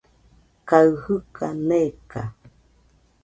kaɨ jɨka neka